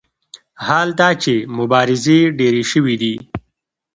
حال دا چې مبارزې ډېرې شوې دي.